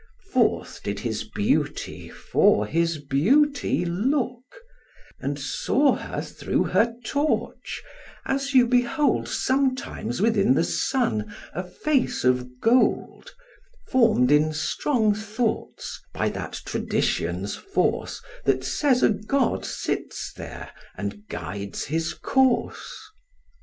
Forth did his beauty for his beauty look, And saw her through her torch, as you behold Sometimes within the sun a face of gold, Form'd in strong thoughts, by that tradition's force That says a god sits there and guides his course.